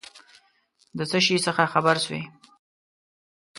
د څه شي څخه خبر سوې ؟